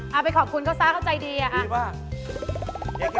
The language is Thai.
เอาไปขอบคุณเขาซะเขาใจดีอ่ะดีมาก